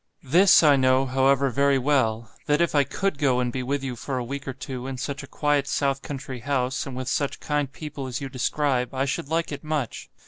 THIS I know, however, very well that if I COULD go and be with you for a week or two in such a quiet south country house, and with such kind people as you describe, I should like it much.